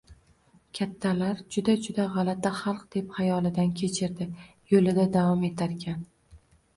kattalar juda-juda g‘alati xalq deb xayolidan kechirdi yo‘lida davom etarkan.